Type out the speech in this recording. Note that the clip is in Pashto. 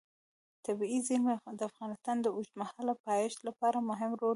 طبیعي زیرمې د افغانستان د اوږدمهاله پایښت لپاره مهم رول لري.